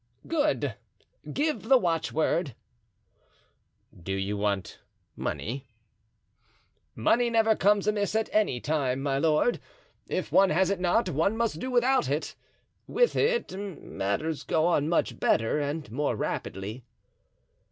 "Good! Give the watchword." "Do you want money?" "Money never comes amiss at any time, my lord; if one has it not, one must do without it; with it, matters go on much better and more rapidly."